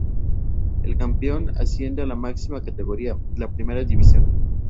El campeón asciende a la máxima categoría, la Primera División.